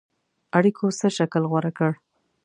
اړېکو څه شکل غوره کړ.